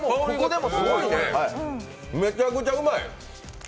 めちゃくちゃうまい！